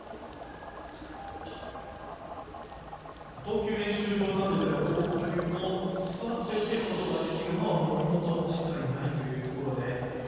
投球練習場などでの投球も座って受けることができるのは森本しかいないというところで。